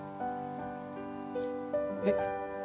えっ？